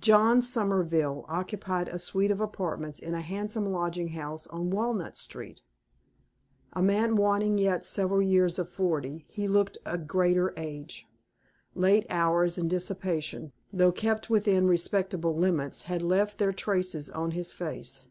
John Somerville occupied a suite of apartments in a handsome lodging house on Walnut Street. A man wanting yet several years of forty, he looked a greater age. Late hours and dissipation, though kept within respectable limits, had left their traces on his face.